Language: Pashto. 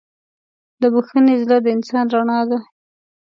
د بښنې زړه د انسان رڼا ده.